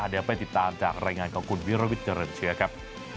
เดี๋ยวไปติดตามจากรายงานของคุณวิรวิทย์เจริญเชื้อครับ